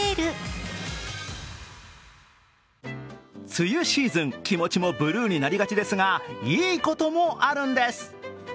梅雨シーズン、気持ちもブルーになりがちですが、いいこともあるんです。